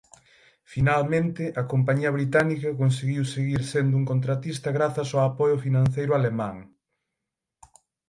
Finalmente a compañía británica conseguiu seguir sendo un contratista grazas ao apoio financeiro alemán.